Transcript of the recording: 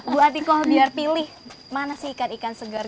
bu atikoh biar pilih mana sih ikan ikan segar